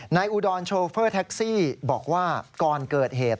อุดรโชเฟอร์แท็กซี่บอกว่าก่อนเกิดเหตุ